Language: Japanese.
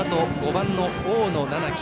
５番の大野七樹。